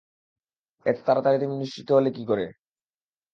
এত তাড়াতাড়ি তুমি নিশ্চিত হলে কী করে?